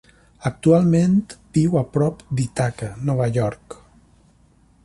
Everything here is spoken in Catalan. Actualment viu a prop d'Ithaca, Nova York.